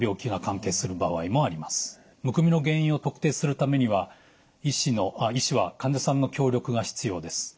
むくみの原因を特定するためには医師は患者さんの協力が必要です。